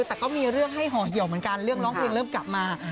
แต่ก็มีเรื่องให้ห่อเหี่ยวเหมือนกันเรื่องร้องเพลงเริ่มกลับมา